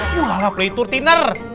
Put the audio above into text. ini malah pelitur thinner